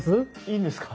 いいんですか？